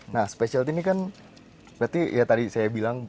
nah specialty ini kan berarti ya tadi saya bilang